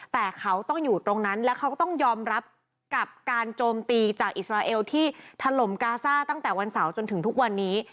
แต่เขาต้องอยู่ตรงนั้นแล้วเขาก็ต้องยอมรับกับการโจมตีจากอิสราเอลที่ถล่มกาซ่าตั้งแต่วันเสาร์จนถึงทุกวันนี้